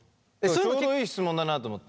ちょうどいい質問だなと思って。